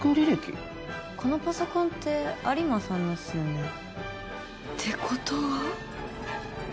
このパソコンって有馬さんのっすよね？って事は。